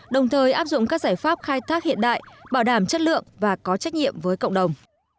đồng thời áp dụng các giải pháp khai thác hiện đại bảo đảm chất lượng và có trách nhiệm với cộng đồng